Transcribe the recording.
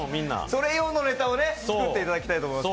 それ用のネタを作っていただきたいと思います。